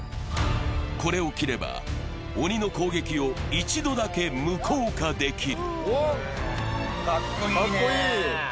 これを着れば鬼の攻撃を一度だけ無効化できる。